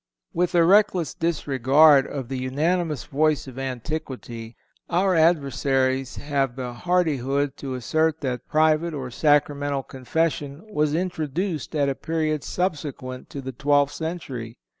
With a reckless disregard of the unanimous voice of antiquity our adversaries have the hardihood to assert that private or Sacramental Confession was introduced at a period subsequent to the twelfth century.